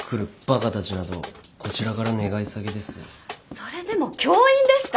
それでも教員ですか？